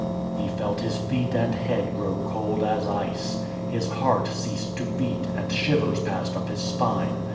He felt his feet and head gi'ow cold as ice. His heart ceased to heat, and shivers passed up his spine.